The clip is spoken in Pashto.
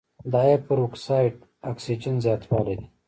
د هایپراکسیا د اکسیجن زیاتوالی دی.